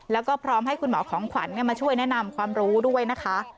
แล้วก็พร้อมให้คุณหมอของขวัญมาช่วยแนะนำความรู้ด้วยนะคะ